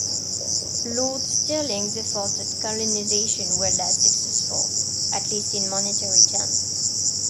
Lord Stirling's efforts at colonisation were less successful, at least in monetary terms.